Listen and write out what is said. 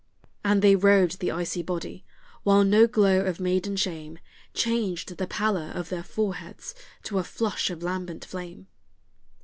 And they robed the icy body, while no glow of maiden shame Changed the pallor of their foreheads to a flush of lambent flame.